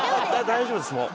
大丈夫ですもう。